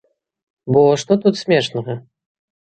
Бо што тут смешнага?